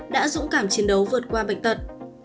đã dũng cảm chiến đấu vượt qua bệnh tật